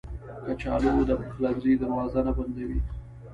کچالو د پخلنځي دروازه نه بندوي